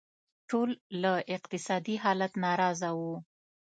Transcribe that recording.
ټول له اقتصادي حالت ناراضه وو.